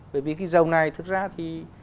bởi vì cái dầu này thực ra thì